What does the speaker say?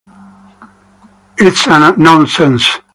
It's a nonsense.